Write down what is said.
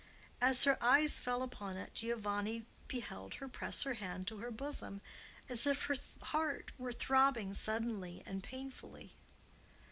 As her eyes fell upon it, Giovanni beheld her press her hand to her bosom as if her heart were throbbing suddenly and painfully.